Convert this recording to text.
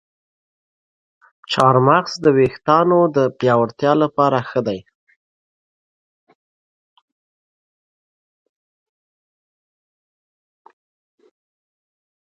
چارمغز د ویښتانو د پیاوړتیا لپاره ښه دی.